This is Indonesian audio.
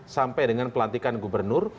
sampai dengan pelantikan gubernur